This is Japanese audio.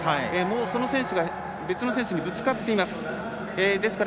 その選手が別の選手にぶつかっています。